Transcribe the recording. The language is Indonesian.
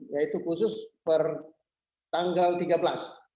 yaitu khusus per tanggal tiga belas